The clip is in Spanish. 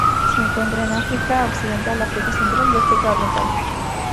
Se encuentra en África Occidental, África central y África Oriental.